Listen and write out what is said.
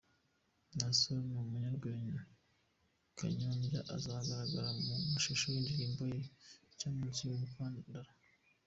Naason n'munyarwenya Kanyombya uzagaragara mu mashusho y'indirimbo ye nshya Munsi y'umukandara .